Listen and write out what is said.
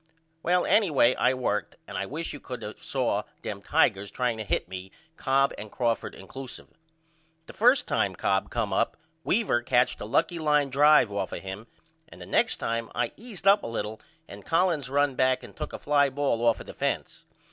Well anyway I worked and I wish you could of saw them Tigers trying to hit me Cobb and Crawford incluseive. The 1st time Cobb come up Weaver catched a lucky line drive off of him and the next time I eased up a little and Collins run back and took a fly ball off of the fence.